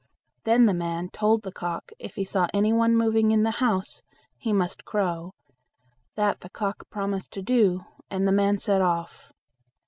Then the man told the cock if he saw any one moving in the house, he must crow; that the cock promised to do, and the man set off.